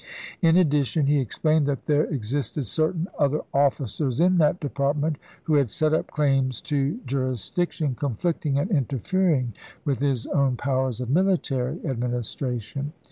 In addition he explained that there existed certain other officers in that department who had set up claims to juris diction conflicting and interfering with his own powers of military administration.